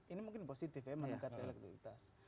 ini mungkin positif ya menekati elektrikitas